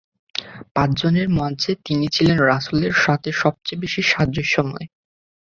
পাঁচজনের মাঝে তিনি ছিলেন রাসূলের সাথে সবচেয়ে বেশী সাদৃশ্যময়।